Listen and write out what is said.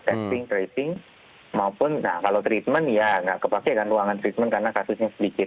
testing tracing maupun kalau treatment ya nggak kepakaian ruangan treatment karena kasusnya sedikit